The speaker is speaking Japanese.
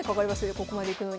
ここまでいくのに。